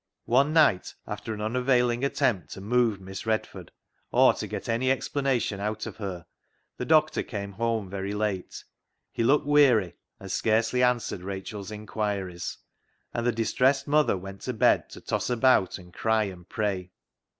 One night, after an unavailing attempt to move Miss Redford, or to get any explanation out of her, the doctor came home very late. He looked weary, and scarcely answered Rachel's inquiries, and the distressed mother went to bed to toss about and cry and pray.